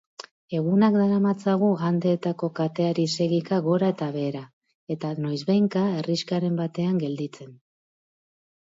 Egunak daramatzagu Andeetako kateari segika gora eta behera, eta noizbehinka herrixkaren batean gelditzen.